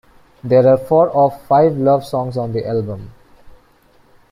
There are four or five love songs on the album.